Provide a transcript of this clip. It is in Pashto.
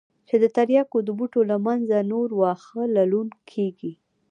چې د ترياکو د بوټو له منځه نور واښه للون کېږي.